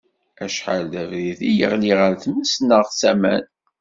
Acḥal d abrid i yeɣli ɣer tmes neɣ s aman.